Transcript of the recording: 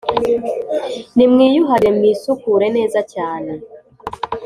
Nimwiyuhagire, mwisukure, neza cyane